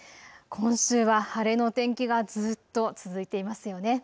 今週は晴れの天気がずっと続いていますよね。